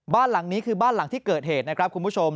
บ้านหลังนี้คือบ้านหลังที่เกิดเหตุนะครับคุณผู้ชม